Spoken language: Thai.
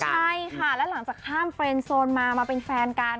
ใช่ค่ะแล้วหลังจากข้ามเฟรนโซนมามาเป็นแฟนกัน